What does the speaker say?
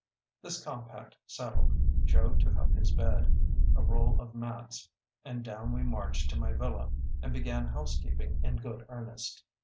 This compact settled, Joe took up his bed, a roll of mats, and down we marched to my villa, and began housekeeping in good earnest.